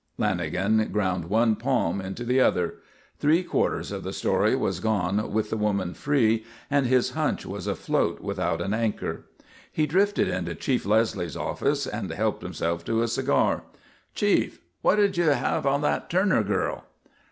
Lanagan ground one palm into the other. Three quarters of the story was gone with the woman free and his "hunch" was afloat without an anchor. He drifted into Chief Leslie's office and helped himself to a cigar. "Chief, what did you have on that Turner girl?"